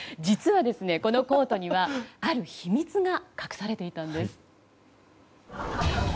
実は、このコートにはある秘密が隠されていたんです。